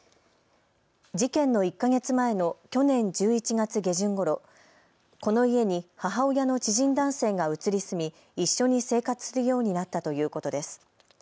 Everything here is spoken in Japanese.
事件の１か月前の去年１１月下旬ごろ、この家に母親の知人男性が移り住み、一緒に生活するようになったということです。